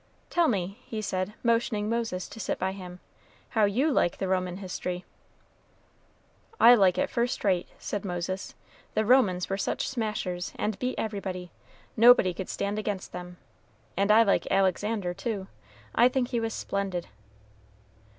"Tell me," he said, motioning Moses to sit by him, "how you like the Roman history." "I like it first rate," said Moses. "The Romans were such smashers, and beat everybody; nobody could stand against them; and I like Alexander, too I think he was splendid."